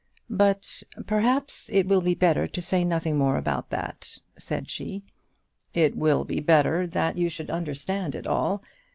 "But perhaps it will be better to say nothing more about that," said she. "It will be better that you should understand it all.